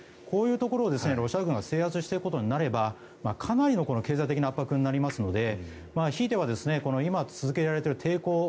こういうところをロシア軍が制圧していくことになればかなりの経済的な圧迫になりますのでひいては今続けられている抵抗